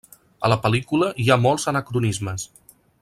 A la pel·lícula hi ha molts anacronismes.